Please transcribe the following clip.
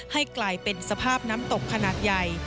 ให้กลายเป็นสภาพน้ำตกขนาดใหญ่